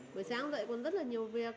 buổi sáng dậy còn rất là nhiều việc